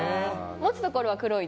持つところ黒い！